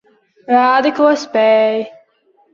Rādi, ko spēj.